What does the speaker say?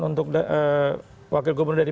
untuk wakil gubernur dari